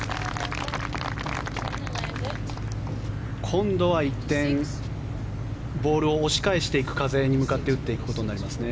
今度は一転ボールを押し返していく風に向かって打っていくことになりますね。